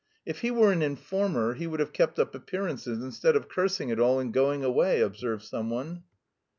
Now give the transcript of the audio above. "If he were an informer he would have kept up appearances instead of cursing it all and going away," observed someone.